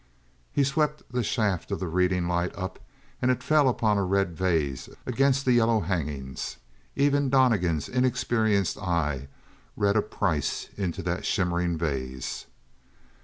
He swept the shaft of the reading light up and it fell upon a red vase against the yellow hangings. Even Donnegan's inexperienced eye read a price into that shimmering vase.